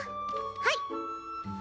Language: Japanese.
はい！